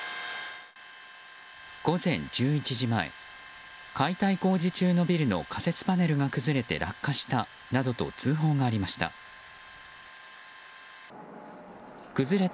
午前１１時前解体工事中のビルの仮設パネルが崩れて落下したなどと通報がありました。